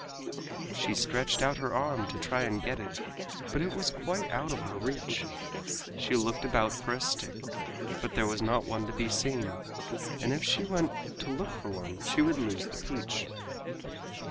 She stretched out her arm to try and get it, but it was quite out of her reach. She looked about for a stick, but there was not one to be seen, and if she went to look for one she would lose the peach.